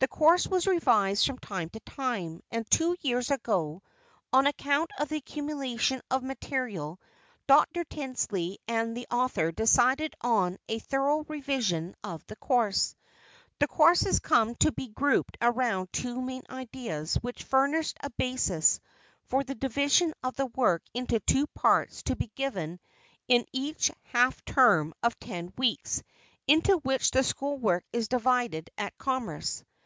The course was revised from time to time, and two years ago, on account of the accumulation of material, Dr. Tildsley and the author decided on a thorough revision of the course. The course had come to be grouped around two main ideas which furnished a basis for the division of the work into two parts to be given in each half term of ten weeks into which the school work is divided at Commerce.